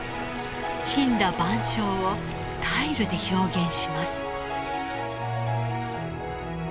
森羅万象をタイルで表現します。